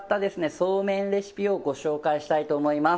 そうめんレシピをご紹介したいと思います。